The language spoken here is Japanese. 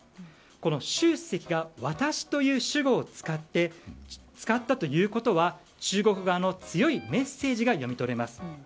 この習主席が私という主語を使ったということは中国側の強いメッセージが読み取れます。